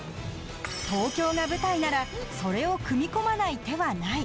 東京が舞台ならそれを組み込まない手はない。